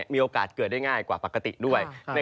มีโอกาสเกิดได้ง่ายกว่าปกติด้วย